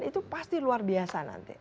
itu pasti luar biasa nanti